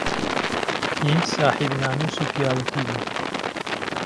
هیند ساحیب نامووس و پیاوهتی بو